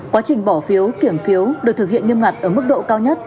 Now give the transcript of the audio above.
quá trình bỏ phiếu kiểm phiếu được thực hiện nghiêm ngặt ở mức độ cao nhất